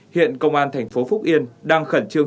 hiện công an tp phúc yên đang khẩn trương